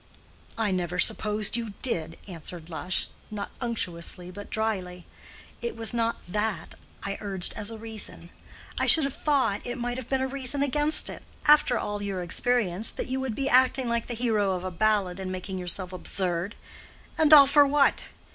"I never supposed you did," answered Lush, not unctuously but dryly. "It was not that I urged as a reason. I should have thought it might have been a reason against it, after all your experience, that you would be acting like the hero of a ballad, and making yourself absurd—and all for what?